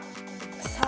さあ